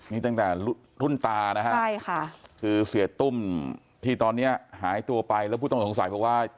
นี่ตั้งแต่รุ่นตานะฮะใช่ค่ะคือเสียตุ้มที่ตอนนี้หายตัวไปแล้วผู้ต้องสงสัยบอกว่า